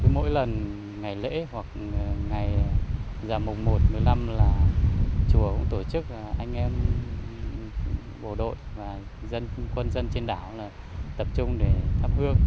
mỗi lần ngày lễ hoặc ngày giảm mục một một mươi năm là chùa cũng tổ chức anh em bộ đội và quân dân trên đảo tập trung để thắp hương